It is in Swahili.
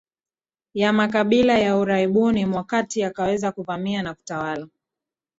ya makabila ya Uarabuni mwa kati akaweza kuvamia na kutawala